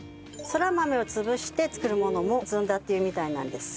そら豆を潰して作るものもずんだって言うみたいなんです。